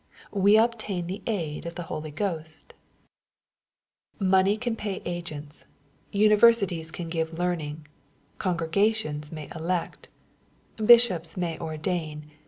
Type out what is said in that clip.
We obtain the aid of the Holy Ghost. — Money can pay 94 EXPOSITOBT THOUGHTS, agents. Universities can give learning. Congregatioiu may elect. Bishops may ordain.